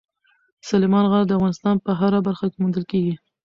سلیمان غر د افغانستان په هره برخه کې موندل کېږي.